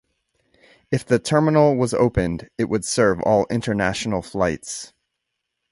If the terminal was opened, it would serve all international flights.